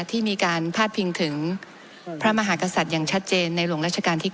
ที่มีการพาดพิงถึงพระมหากษัตริย์อย่างชัดเจนในหลวงราชการที่๙